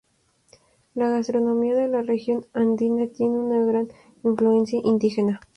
La gastronomía de la región andina tiene una gran influencia indígena.